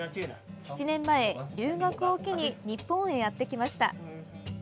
７年前、留学を機に日本へやってきました。